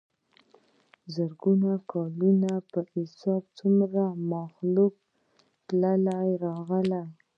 دَ زرګونو کلونو پۀ حساب څومره مخلوق تلي راغلي